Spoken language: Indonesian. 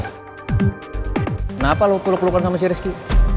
kenapa lo peluk pelukan sama si rizky